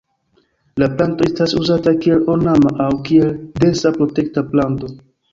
La planto estas uzata kiel ornama aŭ kiel densa protekta planto.